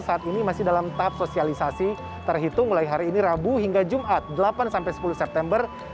saat ini masih dalam tahap sosialisasi terhitung mulai hari ini rabu hingga jumat delapan sepuluh september dua ribu dua puluh satu